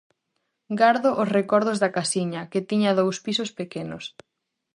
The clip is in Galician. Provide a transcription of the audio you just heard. Gardo os recordos da casiña, que tiña dous pisos pequenos.